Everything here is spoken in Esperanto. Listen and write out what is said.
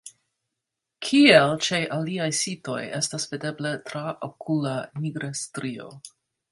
Kiel ĉe aliaj sitoj estas videbla traokula nigra strio.